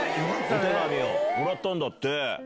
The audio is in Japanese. お手紙をもらったんだって。